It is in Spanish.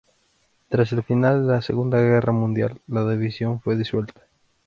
Tras el fin de la Segunda Guerra Mundial, la división fue disuelta.